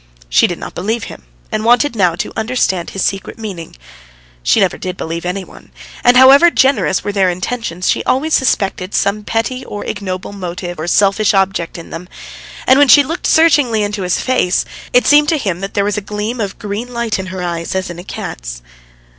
She did not believe him and wanted now to understand his secret meaning. She never did believe any one, and however generous were their intentions, she always suspected some petty or ignoble motive or selfish object in them. And when she looked searchingly into his face, it seemed to him that there was a gleam of green light in her eyes as in a cat's.